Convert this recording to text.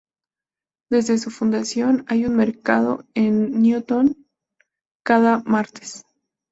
Desde su fundación, hay un mercado en Newtown cada martes.